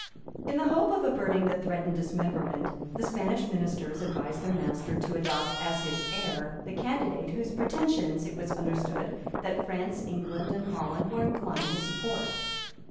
In the hope of averting the threatened dismemberment, the Spanish ministers advised their master to adopt as his heir the candidate whose pretensions it was understood that France, England and Holland were inclined to support.